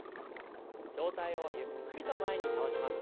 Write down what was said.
上体をゆっくりと前に倒します。